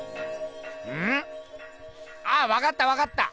うん？あっわかったわかった！